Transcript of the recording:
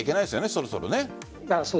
そろそろ。